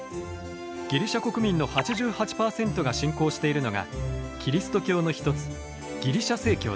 ギリシャ国民の８８％が信仰しているのがキリスト教の一つギリシャ正教です。